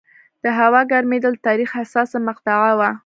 د هوا ګرمېدل د تاریخ حساسه مقطعه وه.